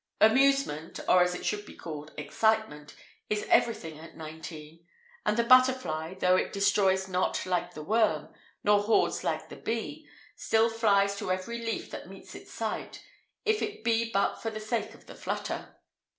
Amusement, or as it should be called, excitement, is everything at nineteen; and the butterfly, though it destroys not like the worm, nor hoards like the bee, still flies to every leaf that meets its sight, if it be but for the sake of the flutter.